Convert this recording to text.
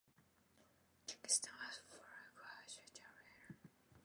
Kingston has four grandchildren.